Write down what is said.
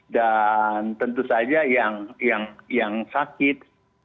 tentu saja yang sakit